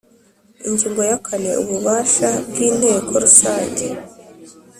Ingingo ya kane Ububasha bw Inteko Rusange